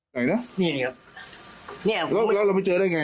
ไหนเนี่ยแล้วเราไม่เจอได้ยังไง